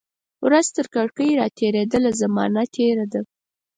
ورځ ترکړکۍ را تیریدله، زمانه تیره ده